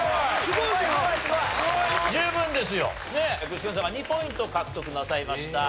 具志堅さんが２ポイント獲得なさいました。